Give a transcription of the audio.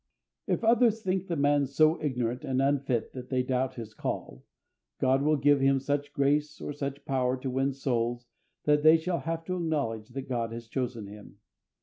If others think the man so ignorant and unfit that they doubt his call, God will give him such grace or such power to win souls that they shall have to acknowledge that God has chosen him.